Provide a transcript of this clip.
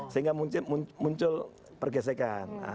sehingga muncul pergesekan